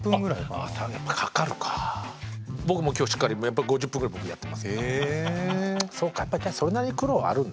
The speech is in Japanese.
僕もしっかり５０分ぐらい僕やってますもん。